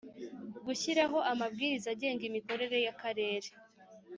Gushyiraho amabwiriza agenga imikorere y akarere